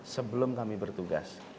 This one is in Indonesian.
sebelum kami bertugas